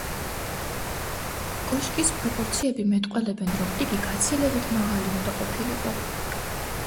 კოშკის პროპორციები მეტყველებენ, რომ იგი გაცილებით მაღალი უნდა ყოფილიყო.